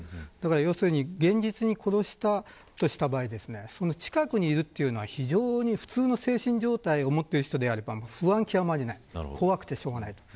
要するに現実に殺したとした場合近くにいるというのは普通の精神状態を持っている人であれば不安極まりないんです。